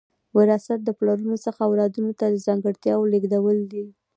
وراثت د پلرونو څخه اولادونو ته د ځانګړتیاوو لیږدول دي